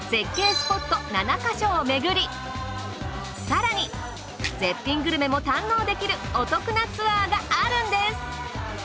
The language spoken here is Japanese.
スポット７か所をめぐり更に絶品グルメも堪能できるお得なツアーがあるんです。